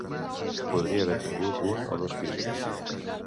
Podria haver tingut un o dos pisos.